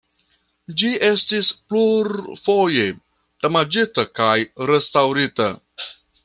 Ĝi estis plurfoje damaĝita kaj restaŭrita.